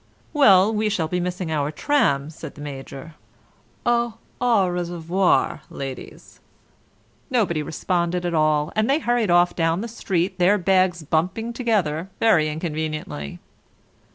"Well, we shall be missing our tram," said the Major. "Au au reservoir, ladies." Nobody responded at all, and they hurried off down the street, their bags bumping together very inconveniently.